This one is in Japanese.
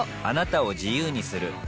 あなたを自由にする